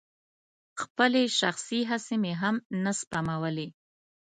خپلې شخصي هڅې مې هم نه سپمولې.